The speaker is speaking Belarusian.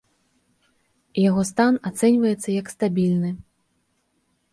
Яго стан ацэньваецца як стабільны.